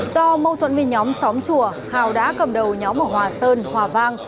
do mâu thuẫn với nhóm xóm chùa hào đã cầm đầu nhóm ở hòa sơn hòa vang